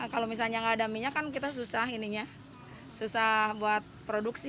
kalau misalnya nggak ada minyak kan kita susah ininya susah buat produksi